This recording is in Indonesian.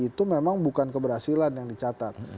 itu memang bukan keberhasilan yang dicatat